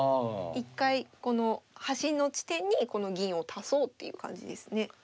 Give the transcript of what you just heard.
一回この端の地点にこの銀を足そうっていう感じですね。